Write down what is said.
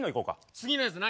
次のやつ何？